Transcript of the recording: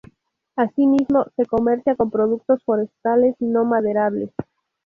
Asimismo, se comercia con productos forestales no maderables.